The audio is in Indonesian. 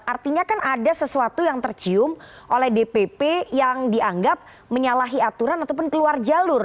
artinya kan ada sesuatu yang tercium oleh dpp yang dianggap menyalahi aturan ataupun keluar jalur